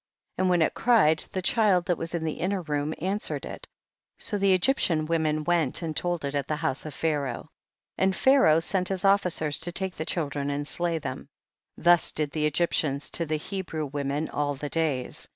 And when it cried the child that was in the inner room answered it, so the Egyptian women went and told it at the house of Pharaoh. 1 1 . And Pharaoh sent his officers to take the children and slay them ; thus did the Egyptians to the Hebrew women all the days. 12.